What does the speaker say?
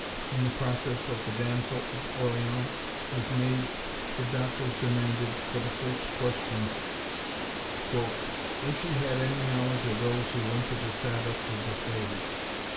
When the process of the Damsel of Orleans was made, the doctors demanded, for the first question, "If she had any knowledge of those who went to the Sabbath with the fays?